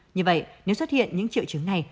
như vậy nếu xuất hiện những triệu chứng này